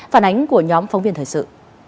phản ánh của nhóm phóng viên thời sự